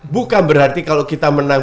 bukan berarti kalau kita menang